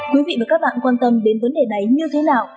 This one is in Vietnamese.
quý vị và các bạn quan tâm đến vấn đề này như thế nào